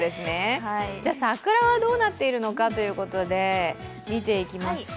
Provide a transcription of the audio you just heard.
桜はどうなっているのかということで見ていきますと。